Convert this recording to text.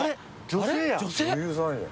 女優さんや。